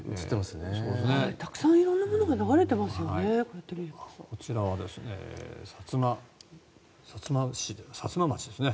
たくさん色んなものが流れてますよね。